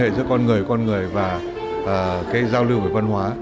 hoàn hệ giữa con người và con người và giao lưu với quân hóa